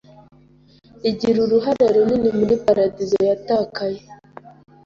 igira uruhare runini muri paradizo yatakaye